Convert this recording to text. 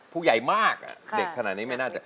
ผู้ใหญ่มากเด็กขนาดนี้ไม่น่าจะ